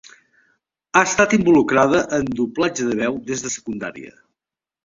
Ha estat involucrada en doblatge de veu des de secundària.